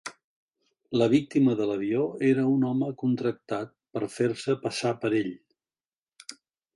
La víctima de l'avió era un home contractat per fer-se passar per ell.